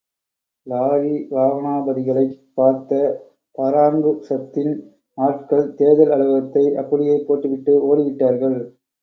Lorry வாகனாதிபதிகளைப் பார்த்த பாராங்குசத்தின் ஆட்கள் தேர்தல் அலுவலகத்தை அப்படியே போட்டுவிட்டு, ஓடி விட்டார்கள்.